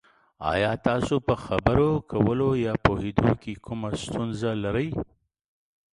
ایا تاسو په خبرو کولو یا پوهیدو کې کومه ستونزه لرئ؟